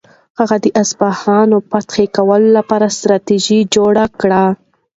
هغه د اصفهان فتح کولو لپاره ستراتیژي جوړه کړه.